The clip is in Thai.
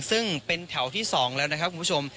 ซึ่งเป็นแถวที่๒แล้วนะครับคุณผู้ชม